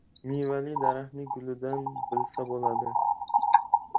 • Mevali daraxtni gulidan bilsa bo‘ladi.